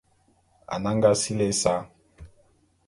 Anag sili ésa.